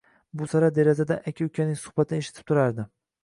Buvsara derazadan aka-ukaning suhbatini eshitib turardi